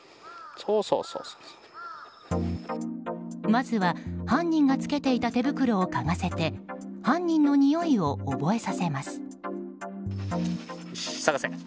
まずは犯人がつけていた手袋をかがせて犯人のにおいを覚えさせます。